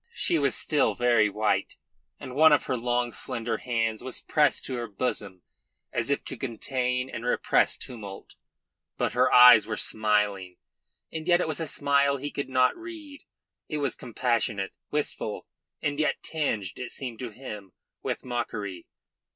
She was still very white, and one of her long, slender hands was pressed to her bosom as if to contain and repress tumult. But her eyes were smiling, and yet it was a smile he could not read; it was compassionate, wistful, and yet tinged, it seemed to him, with mockery.